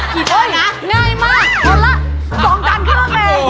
กี่จานล่ะง่ายมากหมดละ๒จานเครื่องเลย